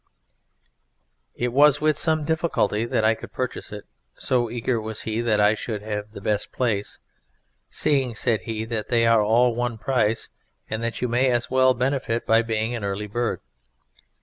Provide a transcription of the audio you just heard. It was with some difficulty that I could purchase it, so eager was he that I should have the best place; "seeing," said he, "that they are all one price, and that you may as well benefit by being an early bird."